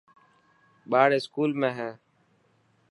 ٻاڙ اسڪول ۾ هي.